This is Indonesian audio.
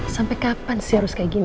sampai kapan sih harus kayak gini